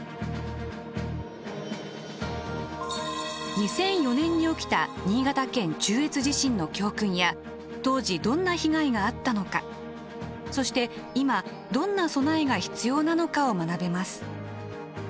２００４年に起きた新潟県中越地震の教訓や当時どんな被害があったのかそして今どんな備えが必要なのかを学べます。